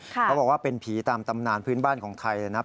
เขาบอกว่าเป็นผีตามตำนานพื้นบ้านของไทยนะครับ